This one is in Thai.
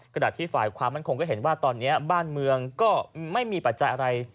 กระดาษที่ฝ่ายคราวมันคงมันคงพูดเห็นว่าตอนนี้บ้านเมืองก็ไม่มีปัจจัยอะไร